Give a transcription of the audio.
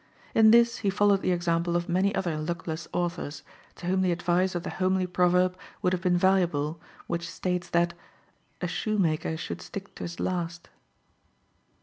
In this he followed the example of many other luckless authors, to whom the advice of the homely proverb would have been valuable which states that "a shoemaker should stick to his last."